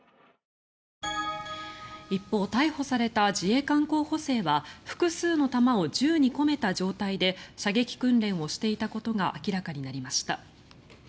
一方、逮捕された自衛官候補生は複数の弾を銃に込めた状態で射撃訓練をしていたことが明らかになりました。